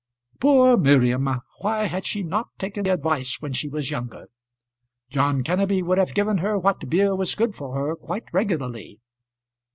Poor Miriam! Why had she not taken advice when she was younger? John Kenneby would have given her what beer was good for her, quite regularly.